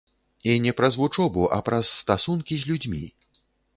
І не праз вучобу, а праз стасункі з людзьмі.